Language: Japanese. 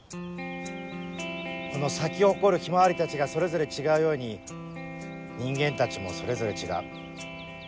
この咲き誇るヒマワリたちがそれぞれ違うように人間たちもそれぞれ違う。